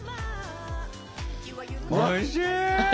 おいしい！